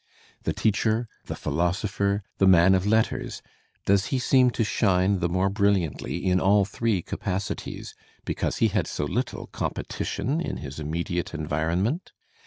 The teacher, the philosopher, the man of letters — does he seem to shine / the more brilUantly in all three capacities because he had so little competition in his immediate environment?